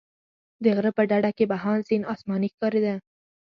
د غره په ډډه کې بهاند سیند اسماني ښکارېده.